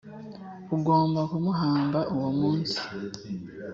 ugomba kumuhamba uwo munsi,